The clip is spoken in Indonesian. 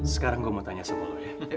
sekarang gua mau tanya soal lu ya